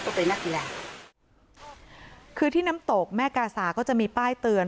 เป็นนักกีฬาคือที่น้ำตกแม่กาสาก็จะมีป้ายเตือน